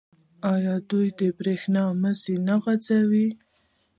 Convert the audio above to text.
آیا دوی د بریښنا مزي نه غځوي؟